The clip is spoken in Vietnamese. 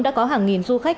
đã có hàng nghìn du khách